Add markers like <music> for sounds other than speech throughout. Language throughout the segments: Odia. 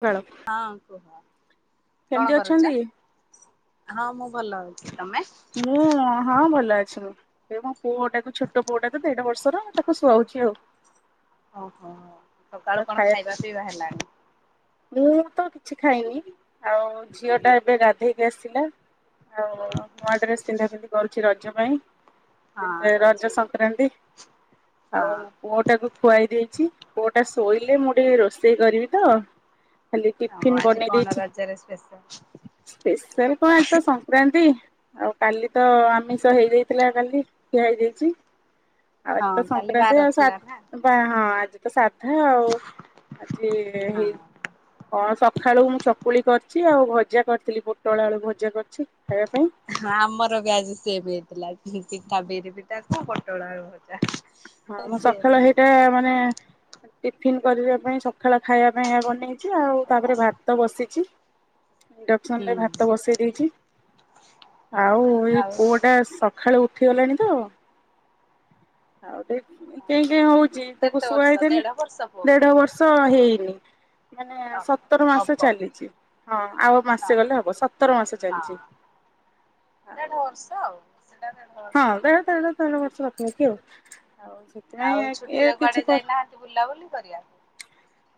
ସକାଳ ହଁ କୁହ କଣ କେମିତି କରୁଛ? ଅଛନ୍ତି? ହଁ ମୁଁ ଭଲ ଅଛି ତମେ? ମୁଁ ହଁ ଭଲ ଅଛି ମୁଁ। ଏ ମୋ ପୁଅଟାକୁ ଛୋଟ ପୁଅଟାକୁ ଦେଢ଼ବର୍ଷର ତାକୁ ଶୁଆଉଛି ଆଉ। ଓହୋ ସକାଳୁ କଣ ଖାଇବା ପିଇବା ହେଲାଣି? ମୁଁ ତ କିଛି ଖାଇନି ଆଉ ଝିଅଟା ଏବେ ଗାଧେଇକି ଆସିଲା। ଆଉ ନୂଆ ଡ୍ରେସ ପିନ୍ଧା ପିନ୍ଧି କରୁଛି ରଜ ପାଇଁ। ବେଟେ ରଜ ସଂକ୍ରାନ୍ତି ହଁ ଆଉ ପୁଅଟାକୁ ଖୁଆଇ ଦେଇଛି ପୁଅଟା ଶୋଇଲେ ମୁଁ ଟିକେ ରୋଷେଇ କରିବି ତ। ଖାଲି ଆଉ ଟିଫିନ୍ ଆଜି ବନେଇ କଣ ଦେଇଛି ରଜରେ ସ୍ପେଶାଲ? ସ୍ପେଶାଲ କଣ ଆଜିତ ସଂକ୍ରାନ୍ତି। ଆଉ କାଲି ତ ଆମିଷ ହେଇଯାଇଥିଲା କାଲି ଖିଆ ହେଇଯାଇଛି। ଆଉ ଆଜିତ ହଁ କାଲି ବାର ସଂକ୍ରାନ୍ତି ଆଉ ସା ଥିଲା ନା ଧା ହଁ ଆଜି ତ ସାଧା ଆଉ ଆଜି ହେଇ ହଁ ହଁ ସଖାଳୁ ମୁଁ ଚକୁଳି କରିଛି ଆଉ ଭଜା କରିଥିଲି ପୋଟଳଆଳୁ ଭଜା କରିଛି ଖାଇବା ପାଇଁ। ହଁ ଆମର ବି ଆଜି ସେମ୍ ହେଇଥିଲା ପିଠା ବିରି ପିଠାକୁ ପୋଟଳଆଳୁ ଭଜା। ହଁ ଆଉ ମୁଁ ସେମ୍ ସକାଳ ହେଇଟା ମାନେ ଟିଫିନ କରିବା ପାଇଁ ସକାଳ ଖାଇବା ପାଇଁ ଆ ବନେଇ ଛି ଆଉ ତାପରେ ଭାତ ବସିଚି। ଇଣ୍ଡକ୍ସନ ହୁଁ ରେ ଭାତ ବସେଇ ଦେଇଛି ଆଉ ଏଇ ଆଉ ପୁଅଟା ସ ଖାଳୁ ଉଠିଗଲାଣି ତ। ଆଉ ଟେ କେଁ କେଁ ହଉଛି ତାକୁ କେତେ ବର୍ଷ ଶୁଆଇ ଦେଲେ ଦେଢ ବର୍ଷ ପୁଅକୁ? ଦେଢ଼ ବର୍ଷ ହେଇନି। ମାନେ ଓହୋ ସତର ମାସ ହବ ଚାଲିଛି ହଁ ଆଉ ହଁ ମାସେ ଗଲେ ହବ ସତର ମାସେ ଚାଲିଛି। ଆଉ ଦେଢ଼ବର୍ଷ ଆଉ ସେଟା ବର୍ଷ ହଁ ବେଳେଳେ ତାର ଦେଢ଼ ବର୍ଷ ପାଖାପାଖି ଆଉ। ସେଥିପାଇଁ ଆଉ ଏ ଛୁଟିରେ କିଛି କୁଆଡ଼େ କର ଯାଇନାହାନ୍ତି ବୁଲାବୁଲି କରିବା?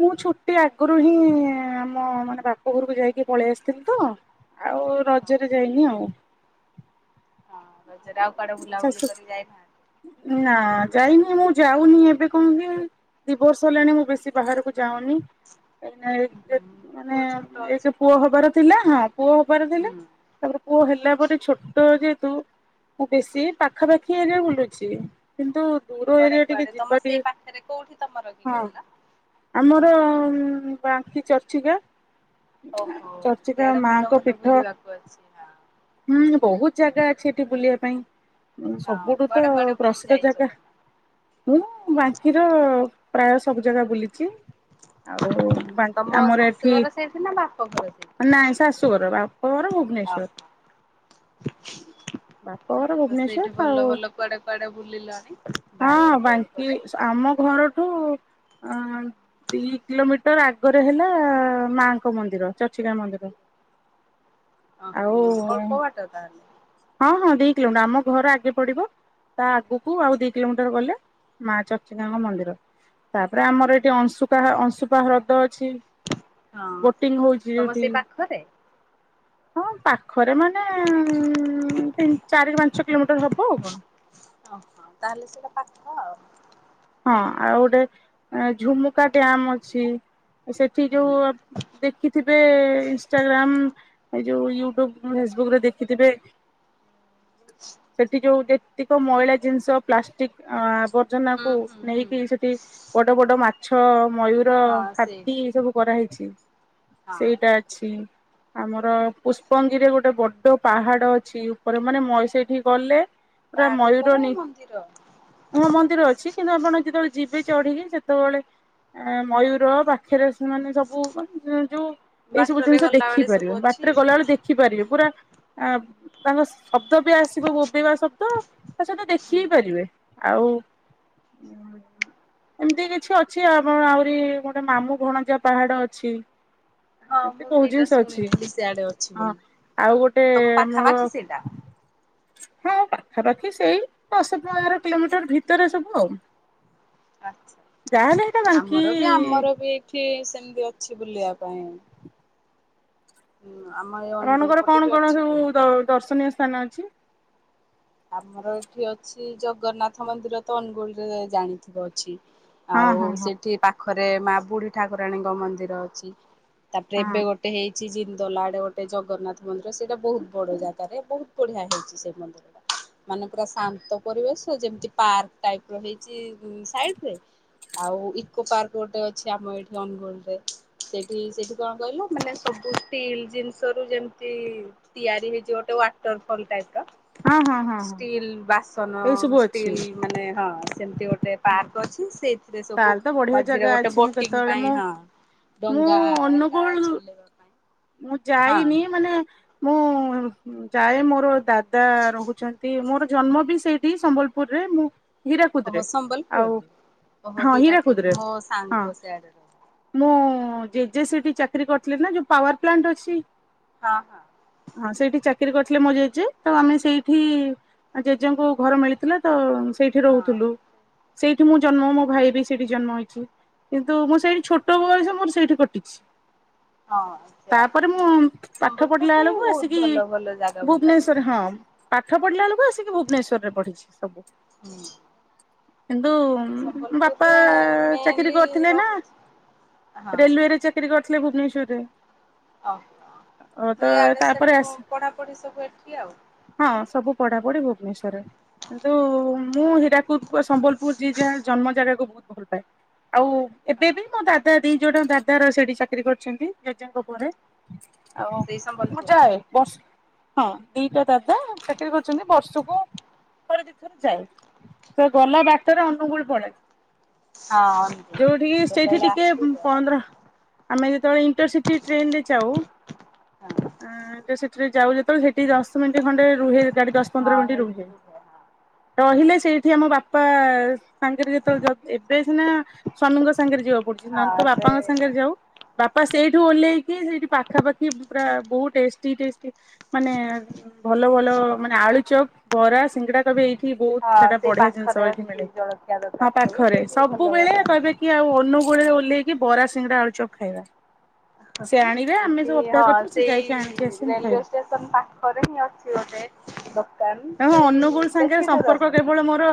ମୁଁ ଛୁଟି ଆଗରୁ ହିଁ ଆମ ମାନେ ବାପ ଘରକୁ ଯାଇକି ପଳେଇ ଆସିଥିଲି ତ। ଆଉ ରଜରେ ଓହୋ ଯାଇନି ଆଉ। ହଁ ରଜରେ ଆଉ କୁଆଡେ ବୁଲାବୁଲି ଶାଶୁ କରି ଯାଇନାହାନ୍ତି? ନାଁ ଯାଇନି ମୁଁ ଯାଉନି ଏବେ କଣ କି ଦିବର୍ଷ ହେଲାଣି ମୁଁ ବେଶୀ ବାହାରକୁ ଯାଉନି ଏଇନା ଏଇ ମାନେ ପୁଅ ଛୋଟ ଅଛି ଏକ ପୁଣି ପୁଅ ହବାର ଥିଲା ହଁ ପୁଅ ହବାର ଥିଲା। ହୁଁ। ତାପରେ ପୁଅ ହେଲା ପରେ ଛୋଟ ଯେହେତୁ ମୁଁ ବେଶୀ ପାଖାପାଖି ଏରିଆ ବୁଲୁଛି କିନ୍ତୁ ଦୂର କୁଆଡେ ଏରିଆ ଟିକେ କୁଆଡେ ଯିବା ତମ ଟିକେ ସେଇ ପାଖରେ କୋଉଠି ତମର କିି ହଁ କହିଲ। ଆମର ବାଙ୍କି ଚର୍ଚିକା ଓହୋ ଚର୍ଚ୍ଚିକା ସିଆଡେ ଭଲ ମାଙ୍କ ଭଲ ପୀଠ। ବୁଲିବାକୁ ଅଛି ହଁ। ହୁଁ ବହୁତ ଜାଗା ଅଛି ଏଠି ବୁଲିବା ପାଇଁ। ଏ ହଁ ସବୁଠୁ ତ କୁଆଡେ କୁଆଡେ ବୁଲି ପ୍ରସିଦ୍ଧ ଯାଇଛ ଜାଗା ତମେ? ମୁଁ ବାଙ୍କିର ପ୍ରାୟ ସବୁ ଜାଗା ବୁଲିଛି। ଆଉ ବା ତମ ଆମର ଏଠି ଶାଶୁଘର <inaudible> ନାଇଁ ଶାଶୁଘର ବାପ ଘର ଭୁ ଆହ। ବାପଘର ଭୁବନେଶ୍ଵର ତ ଆଉ କୁଆଡେ କୁଆଡେ ବୁଲିଲଣି। ବାହାଘର ହଁ ପରେ ବାଙ୍କି ପରେ? ଆମ ଘରଠୁ ଅ ଦି କିଲୋମିଟର ଆଗରେ ହେଲା ମାଙ୍କ ମନ୍ଦିର ଚର୍ଚ୍ଚିକା ମନ୍ଦିର। ଓ ଆଉ ହୋ ଅଳ୍ପ ବାଟ ତାହେଲେ। ହଁ ହଁ ଦି କିଲୋମିଟର ଆମ ଘର ଆଗେ ପଡିବ ତା ଆଗକୁ ଆଉ ଦି କିଲୋମିଟର ଗଲେ ମା ଚର୍ଚିକାଙ୍କ ମନ୍ଦିର। ତାପରେ ଆମର ଏଠି ଅଂଶୁପା ଅଂଶୁପା ହ୍ରଦ ଅଛି। ବୋଟିଂ ହଉଛି ଯୋଉଠି। ଖରେ। ହଁ ପାଖରେ ମାନେ ତିନି ଚାରି ପାଞ୍ଚ କିଲୋମିଟର ହବ ଆଉ କଣ। ଓହୋ ତାହେଲେ ସେଟା ପାଖ ଆଉ। ହଁ ଆଉ ଗୋଟେ ଝୁମୁକା ଡ୍ୟାମ୍ ଅଛି। ସେଠି ଯୋଉ ହୁଁ। ଆପ ଦେଖିଥିବେ ଇଷ୍ଟାଗ୍ରାମ ଏଇ ଯୋଉ ୟୁଟ୍ୟୁବ ଫେସବୁକ୍ ରେ ଦେଖିଥିବେ ସେଠି ଯୋଉ ଦେ ତିକ ମଇଳା ଜିନିଷ ପ୍ଲାଷ୍ଟିକ ହୁଁ ଆବର୍ଜନାକୁ ହୁଁ ହୁଁ ନେଇକି ସେଠି ବଡ ବଡ ମାଛ ମୟୁର ହଁ ହାତୀ ସେଇଠି ସବୁ କରାହେଇଛି। ହଁ ସେଇଟା ଅଛି। ଆମର ପୁଷ୍ପଙ୍ଗିରିରେ ଗୋଟେ ବଡ ପାହାଡ ଅଛି ଉପରେ ମାନେ ମଇ ସେଇଠିକି ଗଲେ ପୁରା ପାହାଡ ମୟୂର ଉପରେ ନି ମନ୍ଦିର ହଁ ମନ୍ଦିର ଅଛି। କିନ୍ତୁ ଆପଣ ଯେତେବେଳେ ଯିବେ ଚଢିକି ସେତେବେଳେ ଏ ମୟୂର ବା ଖରେ ସେମାନେ ସବୁ ମାନେ ଯୋଉ ଏଇ ସବୁ ବାଟରେ ଜିନିଷ ଦେଖି ଗଲାବେଳେ ସବୁ ପାରିବେ ଅଛି ବାଟରେ ହଁ। ଗଲାବେଳେ ଦେଖ ଖିପାରିବେ ପୁରା ଅ ତାଙ୍କ ଶବ୍ଦ ବି ଆସିବ ବୋବେଇବା ଶବ୍ଦ। ତା ସହିତ ଦେଖି ହି ପାରିବେ ଆଉ ଉଁ ଏମିତି କିଛି ଅଛି ଆମ ଆହୁରି ଗୋଟେ ମାମୁଁ ଭଣଜା ପାହାଡ଼ ଅଛି। ହଁ ଏମିତି ମୁଁ ବହୁତ ସେଇଟା ଜିନିଷ ଅଛି ଶୁଣିଥିଲି ସିଆଡେ ଅଛି ହଁ ବୋଲି ଆଉ ଗୋଟେ ତମ ଆମର ପାଖାପାଖି ସେଇଟା? ହଁ ପାଖାପାଖି ସେଇ ଦଶ ପନ୍ଦର କିଲୋମିଟର ଭିତରେ ସବୁ ଆଉ। ଆଛା ଯାହାହେଲେ ସେଇଟା ବାଙ୍କି ଆମର ବି ଆମର ବି ଏଇଠି ସେମିତି ଅଛି ବୁଲିବା ପାଇଁ। ହୁଁ ଆମ ଏଇ ଅନୁଗୁଳ ଆପଣଙ୍କର ପଟେ କଣ ବି କଣ ଅଛି ସବୁ ବହୁତ। ଦ ଦର୍ଶନୀୟ ସ୍ଥାନ ଅଛି। ଆମର ଏଠି ଅଛି ଜଗନ୍ନାଥ ମନ୍ଦିର ତ ଅନୁଗୁଳରେ ଜାଣିଥିବ ଅଛି। ହଁ ଆଉ ହଁ ହଁ ସେଠି ପାଖରେ ମା ବୁଢୀ ଠାକୁରାଣୀଙ୍କ ମନ୍ଦିର ଅଛି ତାପରେ ହଁ ଏବେ ଗୋଟେ ଟେ ହେଇଛି ଜିନ୍ଦଲ ଆଡ଼େ ଗୋଟେ ଜଗନ୍ନାଥ ମନ୍ଦିର ସେଇଟା ବହୁତ ବଡ଼ ଜାଗାରେ ବହୁତ ବଢ଼ିଆ ହେଇଛି ସେଇ ମନ୍ଦିରଟା। ମାନେ ପୁରା ଶାନ୍ତ ପରିବେଶ ଯେମିତି ପାର୍କ ଟାଇପ ର ହେଇଛି ସାଇଡରେ ଆଉ ଇକୋ ପାର୍କ ଗୋଟେ ଅଛି ଆମ ଏଇଠି ଅନୁଗୋଳ ରେ। ସେଇଠି ସେଇଠି କଣ କହିଲ ମାନେ ସବୁ ଷ୍ଟିଲ୍ ଜିନିଷ ରୁ ଯେମିତି ତିଆରି ହେଇଛି ଗୋଟେ ୱାଟର ଫଲ ଟାଇପ ର। ହଁ ହଁ ହଁ ହଁ ଷ୍ଟିଲ୍ ବାସନ ଏଇ ସବୁ ଅଛି ଷ୍ଟିଲ ମାନେ ହଁ ସେମିତି ଗୋଟେ ଗୋଟେ ପାର୍କ ଅଛି ସେଇଥିରେ ସବୁ ତାହେଲେ ତ ବଢିଆ ଜାଗା ମଝିରେ ଗୋଟେ ଅଛି ମୁଁ ବୋଟିଂ କେତେବେଳେ ପାଇଁ ମୁଁ ହଁ ମୁଁ ଡଙ୍ଗା ହେକା ଅନୁଗୁଳ ଚଲେଇବା ପାଇଁ ମୁଁ ହଁ ଯାଇନି ମାନେ ମୁଁ ଯାଏ ମୋର ଦା ଦା ରହୁଛନ୍ତି ମୋର ଜନ୍ମ ବି ସେଇଠି ସମ୍ବଲପୁରରେ ମୁଁ ହୀରାକୁଦରେ ଓହୋ ଆଉ ସମ୍ବଲପୁରରେ ଓହୋ ହଁ ହୀରାକୁଦ ହୀରାକୁଦରେ ମୋ ହଁ ସାଙ୍ଗ ସିଆଡେ ରହେ ମୋ ଜେଜେ ସେଇଠି ଚାକିରି କରିଥିଲେ ନା ଯୋଉ ପାୱାର ପ୍ଲାଣ୍ଟ ଅଛି ହଁ ହଁ। ହଁ ସେଇଠି ଚାକିରି କରିଥିଲେ ମୋ ଜେଜେ ତ ଆମେ ସେଇଠି ଆ ଜେଜେଙ୍କୁ ଘର ମିଳିଥିଲା ତ ସେଇ ସେଠି ରହୁଥିଲୁ ସେଇଠି ମୁଁ ଜନ୍ମ ମୋ ଭାଇ ବି ସେଇଠି ଜନ୍ମ ହେଇଛି। କିନ୍ତୁ ମୁଁ ହଁ। ସେଇଠି ଛୋଟ ଟ ବୟସ ମୋର ସେଇଠି କଟିଛି। ହଁ। ସିଆଡେ ତାପରେ ମୁଁ ପାଠ ପଢିଲା ସମ୍ବଲପୁରରେ ବେଳକୁ ବହୁତ ଆସିକି ଭଲ ଭଲ ଜାଗା ବୁଲାବୁଲି ଭୁବନେଶ୍ଵରରେ ହଁ ଅଛି। ପାଠ ପଢିଲା ବେଳକୁ ଆସିକି ଭୁବନେଶ୍ଵରରେ ପଢିଛି ସବୁ। ହୁଁ କିନ୍ତୁ ବାପା ସମ୍ବଲପୁରରେ ଚାକିରି ମେନଲି କରିଥିଲେ ନା ରହୁଛି ହଁ। ରେଲୱେରେ କିରି କରିଥିଲେ ଭୁବନେଶ୍ୱରରେ। ଓହୋ ତ ଏ ଆଡେ ତାପରେ ସିଆଡୁ ଆସି ପଢାପଢି ସବୁ ଏଠି ଆଉ। ହଁ ସବୁ ପଢାପଢି ଭୁବନେଶ୍ଵରରେ। କିନ୍ତୁ ମୁଁ ହୀରାକୁଦ ସମ୍ବଲପୁର ଯିଏ ଯାହା ଜନ୍ମ ଜାଗାକୁ ବହୁତ ଭଲ ପାଏ। ଆଉ ଏବେ ବି ମୋ ଦାଦା ଦି ଜଣ ଦାଦାର ସେଠି ଚାକିରି କରିଛନ୍ତି ଜେଜେଙ୍କ ପରେ। ହଁ ଆଉ ସେଇ ମୁଁ ସମ୍ବଲପୁର। ଯାଏ ବସ୍ ହଁ ଦିଟା ଦାଦା ଚାକିରୀ କରୁଛନ୍ତି। ବର୍ଷକୁ ଥରେ ଦି ଥର ଯାଏ। ତ ଗଲା ବାଟରେ ଅନୁଗୁଳ ପଡେ। ହଁ ଯୋଉଠିକି ସେଇଠି କେତେବେଳେ ଟିକେ ଆସିବ? ପଣ୍ଡର ଆମେ ଯେତେବେଳେ ଇଣ୍ଟରସିଟି ଟ୍ରେନରେ ଯାଉ ଆଁ ଇଣ୍ଟରସିଟିରେ ଯାଉ ବେଳେ ସେଠି ଦଶ ମିନିଟ୍ ଖଣ୍ଡେ ରୁହେ ଗାଡି ଦଶ ପନ୍ଦର ହଁ ମିନିଟ୍ ରୁହେ। ଏଇଥିରୁ ହୁଏ ହଁ ରହିଲେ ସେଇଠି ଆମ ବାପା ସାଙ୍ଗରେ ଯେତେବେଳେ ଏବେ ସିନା ସ୍ଵାମୀଙ୍କ ସାଙ୍ଗରେ ଯିବାକୁ ପଡୁଛି ନହେଲେ ତ ହଁ ସେ ବାପାଙ୍କ ସାଙ୍ଗରେ ଯାଉ। ବାପା ସେଇଠୁ ଓହ୍ଲେଇକି ସେଇଠି ପାଖାପାଖି ପୁରା ବହୁ ଟେଷ୍ଟି ଟେଷ୍ଟ ମାନେ ଭଲ ଭଲ ମାନେ ଆଳୁଚପ ବରା ସିଙ୍ଗଡା କହିବେ ଏଇ ଠି ବହୁତ ହଁ ସେଇଟା ସେଇ ବଢିଆ ଜିନିଷ ପାଖରେ ଏଇଠି ମିଳେ। ଅଛି ଜଳଖିଆ ହଁ ଦୋକାନ ସବୁ ପାଖରେ ସେଇଠି ସବୁ ଭଲ ମିଳେ ଭଲ କହିବେ ହଁ। କି ଆଉ ଅନୁ ଗୁଳରେ ଓହ୍ଲେଇକି ବରା ସିଙ୍ଗଡ଼ା ଆଳୁଚପ୍ ଖାଇବା। ସେ ଆଣିବେ ଆମେ ଏଠି ସବୁ ଅପେକ୍ଷା ହଁ କରିଥିବୁ ସେ ଯାଇକି ଆଣିକି ସେଇ ଆସିକି ଆମେ ରେଲୱେ ଖାଇବୁ। ଷ୍ଟେ ତମ ପାଖରେ ହିଁ ଅଛି ଗୋଟେ ଦୋକାନ କି ବେଶୀ ଦୂର ନୁହେଁ। ବୁବେଳେ ମୋର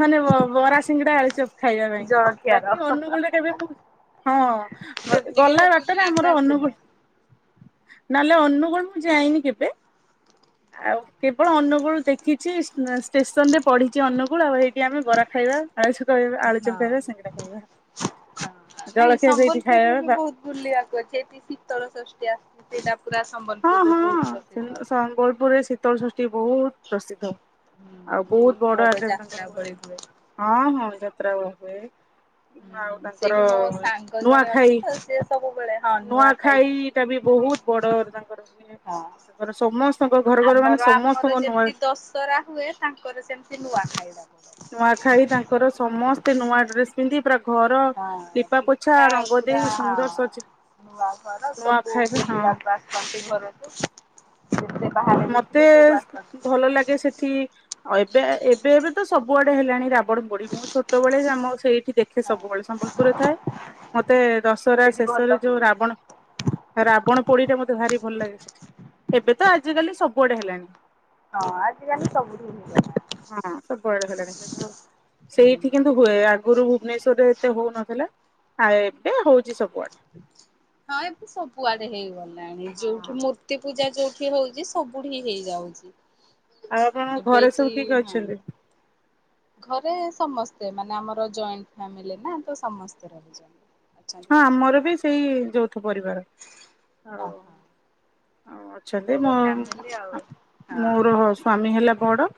ମାନେ ବ ବରା ସିଙ୍ଗଡା ଆଲୁଚପ ଖାଇବା ପାଇଁ। ଜଳଖିଆର। ବାକି ଅନୁଗୁଳରେ କେବେ ମୁଁ ହଁ ବ ସେମିତିକି ଗଲା ବାଟରେ ବୁଲିବାକୁ ଆମର ଅନୁଗୁଳ ଆସିନା। ନହେଲେ ଅନଗୁଳ ମୁଁ ଯାଇନି କେବେ। ଆଉ କେବେ ଅନୁଗୁଳ ଦେଖିଛି ଷ୍ଟେସନରେ ପଢିଛି ଅନୁଗୁଳ ଆଉ ହେଇଠି ଆମେ ବରା ଖାଇବା। ଆଳୁ ସେ କହିବେ ଆଳୁଚପ୍ ଖାଇବା ହଁ। ସିଙ୍ଗଡ଼ା ଖାଇବା ହଁ ନାଇଁ ଜଳଖିଆ ସେଇଠି ସମ୍ବଲପୁରରେ ବି ଖାଇବା। ବହୁତ ବୁଲିବାକୁ ଅଛି ଏଠି ଶୀତଳ ଷଷ୍ଠୀ ଆସିଛି। ସେଇଟା ପୁରା ହଁ ସମ୍ବଲପୁରରେ ହଁ ବହୁତ ପ୍ରସିଦ୍ଧ। ସମ୍ବଲପୁରରେ ଶୀତଳ ଷଷ୍ଠୀ ବହୁତ ପ୍ରସିଦ୍ଧ। ଆଉ ବହୁତ ବଡ ଆକରରେ ତାଙ୍କର ହୁଏ। ହଁ ହଁ ଯାତ୍ରା ହୁଏ। ଆଉ ହୁଁ ତାଙ୍କର ସେଇଠି ମୋ ସାଙ୍ଗ ଜଣେ ଅଛି ନୂଆଖାଇ ତ ସିଏ ସବୁବେଳେ ହଁ ନୂଆ ନୂଆଖାଇ ଖାଇବି ଟା ବି ବହୁତ ବଡ ତାଙ୍କର ହଁ। ତାଙ୍କର ସମସ୍ତଙ୍କ ଘର ଘର ମାନେ ସମସ୍ତଙ୍କ ନୂଆ ତରା ହୁଏ। ତାଙ୍କର ସେମିତି ନୂଆ ଖାଇଖାଇ ଟା ବଡ। ନୂଆଖାଇ ତାଙ୍କର ସମସ୍ତେ ନୂଆ ଡ୍ରେସ୍ ପିନ୍ଧି ପୁରା ଘର ହଁ ଲିପା ପୋଛା ପିଠା ରଙ୍ଗ ପୁରା ଦେଇ ସୁନ୍ଦର ସଜା ନୂଆ ଘର ନୂଆ ସବୁ ଖାଇବେ ହଁ ବୁଲିବାକୁ ଆସିନ୍ତି ଘରକୁ। ନିଜେ ବାହାର ମତେ ଭଲ ଲାଗେ ସେଠି ଏବେ ଏବେ ଏବେ ତ ସବୁଆଡେ ହେଲାଣି ରାବ ବଡି ମୁଁ ଛୋଟବେେଳେ ଆମ ସେଇଠି ଦେଖେ ହଁ ସବୁବେଳେ ସମ୍ବଲପୁରରେ ଥାଏ। ମତେ ଦଶହରା ସେଠି ଶେଷରେ ଭଲ ଯୋଉ ହୁଏ। ରାବଣ ରାବଣ ପୋଡିଟା ମୋତେ ଭାରି ଭଲ ଲାଗେ ସେଠି ଏବେ ତ ଆଜିିକାଲି ସବୁଆଡେ ହେଲାଣି। ହଁ ଆଜିିକାଲି ସବୁଠି ହେଇଗ ହଁ ସବୁବେଳେ ହେଲାଣି କିନ୍ତୁ ସେଇଠି ହୁଏ ଆଗରୁ ଭୁବନେଶ୍ଵରରେ ଏତେ ହଉନଥିଲା ଆ ଏବେ ହଉଛି ସବୁଆଡେ। ହଁ ଏବେ ସବୁଆଡେ ହେଇଗଲାଣି ହଁ। ଯୋଉଠି ମୂ ମୂର୍ତ୍ତି ପୂଜା ଯୋଉଠି ହଉଛି। ସବୁଠି ହେଇଯାଉଛି। ଆଉ ଆପଣଙ୍କ ଏବେ ଘରେ ସବୁ ଇତି କିଏ କିଏ ହଁ। ଅଛନ୍ତି? ଘରେ ସମସ୍ତେ ମାନେ ଆମର ଜଏଣ୍ଟ ଫ୍ୟାମିଲି ନା ତ ସମସ୍ତେ ରହିଛନ୍ତି। ଅଛନ୍ତି ହଁ ଆମର ସମସ୍ତେ ବି ସେଇ ଯୌଥ ପରିବାର। ଆଉ ଓହୋ ଆଉ ଅଛନ୍ତି ବଡ ହଁ। ଫ୍ୟାମିଲି ଆଉ <inaudible> ହଁ। ମୋର ହଜ୍ ସ୍ଵାମୀ ହେଲା ବଡ।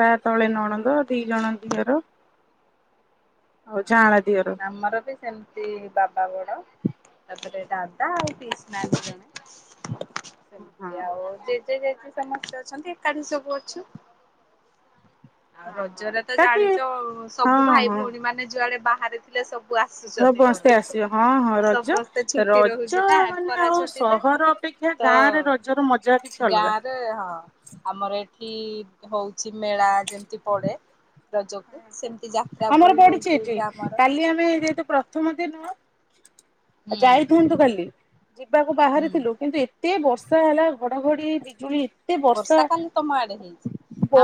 ତା ତଳେ ନଣନ୍ଦ ଦି ଜଣ ଦିଅର। ଆଉ ଯାଆଁଳା ଦିଅର <inaudible> ଆମର ବି ସେମିତି। ସେ ବାପା ବଡ ଆଉ ତାପରେ ଦାଦା ଆଉ ପିସ୍ ମା ଜଣେ। ହଁ ଇଏ ଆଉ ଜେଜେ ଜେଜି ସମସ୍ତେ ଅଛନ୍ତି। ଏକାଠି ସବୁ ଅଛୁ। ଆଉ ହଁ ରଜରେ ତ ଏକାଠି ଜାଣିଛ ହଁ ସବୁ ଭାଇ ହଁ ଭଉଣୀ ମାନେ ଯୁଆଡେ ବାହାରେ ଥିଲେ ସବୁ ଆସୁଛନ୍ତି ସମସ୍ତେ ଘରକୁ। ଆସିବେ ହଁ ହଁ ରଜ ସମସ୍ତେ ଛୁଟି ରଜ ରହୁଛି ନା ମାନେ ଖରା ଆଉ ଛୁଟି ଟା। ସହର ଅପେକ୍ଷା ତ ଗାଁ ରେ ରଜର ମଜା କିଛି ଅଲଗା। ଗାଁରେ ହଁ। ଆମର ଏଠି ହଉଛି ମେଳା ଯେମିତି ପଡେ ରଜକୁ ସେମିତି ଯାତ୍ରା <inaudible> ଆମର ଭଳି ପଡିଛି ହଉଛି ଏଠି। ଆମର କାଲି ଆମେ ଯେହେତୁ ପ୍ରଥ ପ୍ରଥମ ଦିନ ହୁଁ ଯାଇଥାନ୍ତୁ କାଲି ଯିବାକୁ ହୁଁ ବାହାରିଥିଲୁ କିନ୍ତୁ ଏତେ ବର୍ଷା ହେଲା ଘଡଘଡି ବିଜୁଳି ବର୍ଷା କମ୍ ତମ ଆଡେ ହେଇଛି।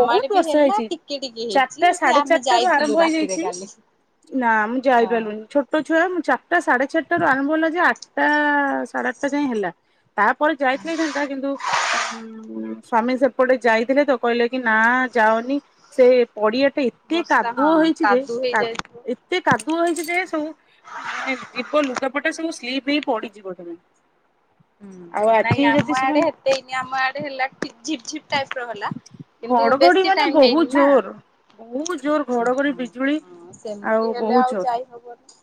ଆମ ଆଡେ ବି ହେଲା ଟିକେ ଟିକେ ହେଇଛି। ପୁରା ସେ ସାଢେ ଆମେ ଚାରିଟା ରୁ ଯାଇଥିଲୁ ଆରମ୍ଭ ରାତିରେ ହେଇଯାଇଛି। କାଲି। ନା ମୁଁ ହଁ ଯାଇପାରିଲୁନି ଛୋଟ୍ ଛୋଟ ଛୁଆ। ମୁଁ ଚାରିଟା ସାଢେ ଚାରିଟାରୁ ଆରମ୍ଭ ହେଲା ଯେ ଆଠଟା ସାଢେ ଆଠଟା ଯାଏଁ ହେଲା। ତାପରେ ଯାଇଥିଲେ ହେଇଥାନ୍ତା। କିନ୍ତୁ ଉଁ ସ୍ଵାମୀ ସେଠୁ ଗୋଟେ ଯାଇଥିଲେ ତ କହିଲେ କି ନା ଯାଉନି ସେଇ ପଡିଆ ଏତେ ବର୍ଷା କାଦୁଅ ହଁ ହେଇଛି ଯେ କାଦୁ ହେଇଯାଇଥିବ। ଏତେ କାଦୁଅ ହେଇଛି ଯେ ସବୁ ମାନେ ଯିବନ୍ ଲୁଗାପଟା ସବୁ ସ୍ଲିପ ହେଇ ପଡିଯିବ ତମେ। ହୁଁ ଆଉ ନାଇଁ ଆଜି ଯଦି ଆମ ଆଡେ ସେମାନେ ହେତେ ହେଇନି। ଆମ ଆଡେ ହେଲା ଟି ଝିପ୍ ଝିପ୍ ଟାଇପ ର ହେଲା। କିନ୍ତୁ ଘଡଘଡି ବେଶୀ ମାନେ ଟାଇମ ବହୁତ ହେଇନି ନା। ଜୋର ବହୁତ ଜୋର ଓହୋ ଘଡଘଡି ହୋ ବିଜୁଳି ହଁ ଆଉ ସେମିତି ହେଲେ ବହୁତ ଆଉ ଜୋର ଯାଇ ହବନି।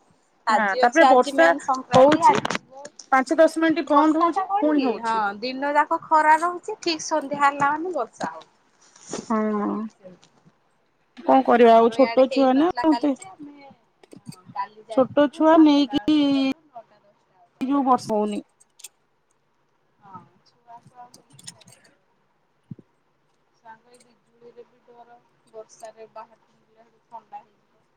ନା ଆଜି ତାପରେ ଅଛି। ଆଜି ବର୍ଷା ମେନ୍ ସଂକ୍ରାନ୍ତି ହଉଛି ଆଜି। ଯିବୁ ପାଞ୍ଚ ଦଶ ମିନିଟ୍ ବନ୍ଦ ବର୍ଷା ଟା ହଉଛି। କଣ ପୁଣି କି ହଁ ହଉଛି। ଦିନ ଯାକ ଖରା ରହୁଛି। ଠିକ ସନ୍ଧ୍ୟା ହେଲାା ମାନେ ବର୍ଷା ହଁ। ହଉଛି। କଣ କରିବା ଆଉ ଆମର ଛୋଟ ଇଆଡେ ଛୁଆ ନା ହେଇନଥିଲା ମତେ କାଲି। ଯେ ଆମେ ହଁ କାଲି ଛୋଟ ଯାଇଥିବୁ। ଛୁଆ ସାତଟା ବେଳକୁ ଗଲୁ। ନଅଟା ଦଶଟା ବେଳକୁ ଜଉ ଆସିଲୁ। ବସ୍ ହଉନି। ହଁ ଛୁ ପା ଥାଉ। ତାଙ୍କୁ ଏ ବିଜୁଳି ରେ ବି ଡର। ବର୍ଷା ରେ ବାହାରକୁ ଯିବା ଥଣ୍ଡା ହେଇଯିବ।